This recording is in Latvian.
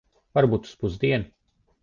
Varbūt uz pusdienu.